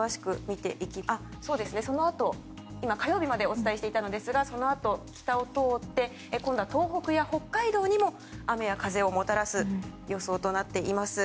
今、火曜日までお伝えしていたんですがそのあと、北を通って今度は東北や北海道にも雨や風をもたらす予想となっています。